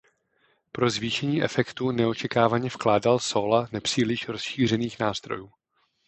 Pro zvýšení efektu neočekávaně vkládal sóla nepříliš rozšířených nástrojů.